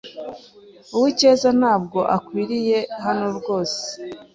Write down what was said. Uwicyeza ntabwo akwiriye hano rwose.